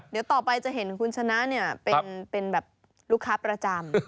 เดี๋ยวต่อไปจะเห็นคุณชนะเป็นแบบลูกค้าประจำ